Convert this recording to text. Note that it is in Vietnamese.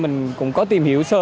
mình cũng có tìm hiểu sơ